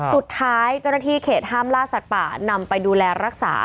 เจ้าหน้าที่เขตห้ามล่าสัตว์ป่านำไปดูแลรักษา